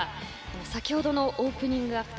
先ほどのオープニングアクト